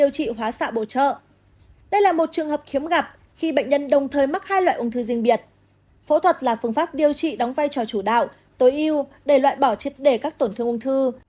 cả phẫu thuật diễn ra thành công loại bỏ triệt đề các tổn thương ung thư